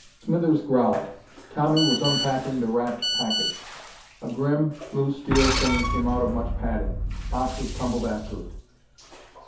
Smithers growled. Tommy was unpacking the wrapped package. A grim, blued steel thing came out of much padding. Boxes tumbled after it.